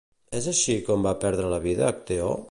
És així com va perdre la vida Acteó?